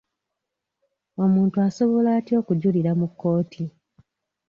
Omuntu asobola atya okujulira mu kkooti?